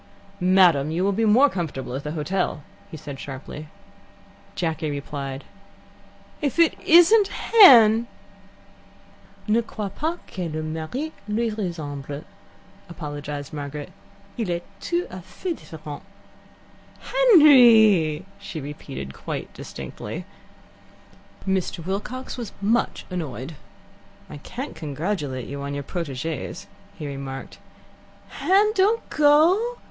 "Madam, you will be more comfortable at the hotel," he said sharply. Jacky replied: "If it isn't Hen!" "Ne crois pas que le mari lui ressemble," apologized Margaret. "Il est tout a fait different." "Henry!" she repeated, quite distinctly. Mr. Wilcox was much annoyed. "I can't congratulate you on your proteges," he remarked. "Hen, don't go.